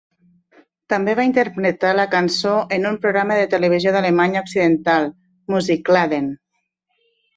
També va interpretar la cançó en un programa de televisió d'Alemanya Occidental, "Musikladen".